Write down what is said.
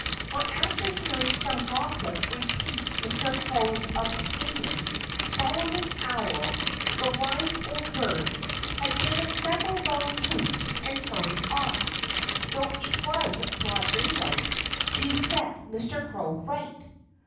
For after hearing some gossip repeat Mr. Crow's opinion Solomon Owl the wise old bird had given several long hoots and hurried off, though it was broad daylight, to set Mr. Crow right.